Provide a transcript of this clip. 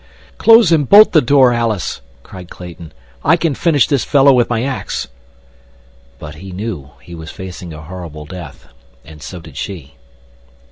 "Close and bolt the door, Alice," cried Clayton. "I can finish this fellow with my ax." But he knew he was facing a horrible death, and so did she.